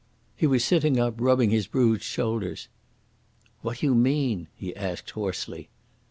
He was sitting up rubbing his bruised shoulders. "What do you mean?" he asked hoarsely.